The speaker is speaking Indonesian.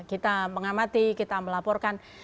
kita mengamati kita melaporkan